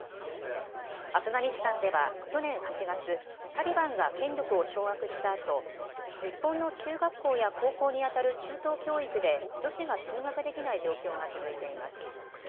アフガニスタンでは去年８月タリバンが権力を掌握したあと、日本の中学校や高校にあたる中等教育で女子が通学できない状況が続いています。